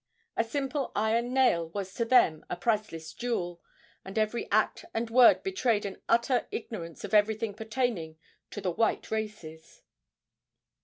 A simple iron nail was to them a priceless jewel, and every act and word betrayed an utter ignorance of everything pertaining to the white races.